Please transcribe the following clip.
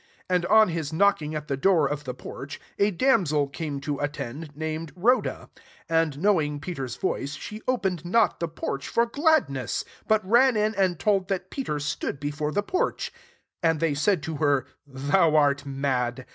13 And on his knocking at the door of the porch, a damsel came to attend, named Rhoda : 14 and knowing Peter's voice, she opened not the porch for gladness ; but ran in, and told that Peter stood be fore the porch. 15 And they said to her, "Thou art mad."